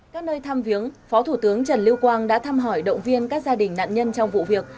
các nơi thăm viếng phó thủ tướng trần lưu quang đã thăm hỏi động viên các gia đình nạn nhân trong vụ việc